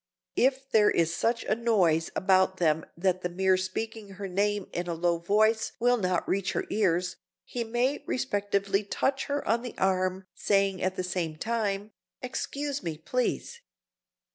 If there is such a noise about them that the mere speaking her name in a low voice will not reach her ears, he may respectfully touch her on the arm saying at the same time, "Excuse me, please!"